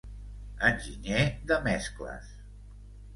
Enginyer de mescles: